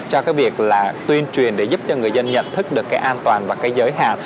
cho cái việc là tuyên truyền để giúp cho người dân nhận thức được cái an toàn và cái giới hạn